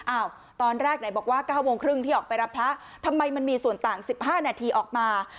ตอนแรกไหนบอกว่า๙โมงครึ่งที่ออกไปรับพระทำไมมันมีส่วนต่าง๑๕นาทีออกมา